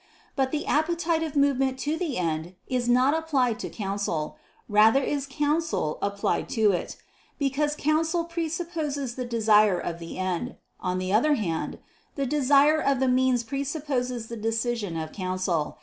But the appetitive movement to the end is not applied to counsel: rather is counsel applied to it, because counsel presupposes the desire of the end. On the other hand, the desire of the means presupposes the decision of counsel.